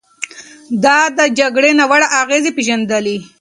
ده د جګړې ناوړه اغېزې پېژندلې.